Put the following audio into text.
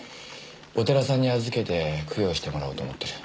お寺さんに預けて供養してもらおうと思ってる。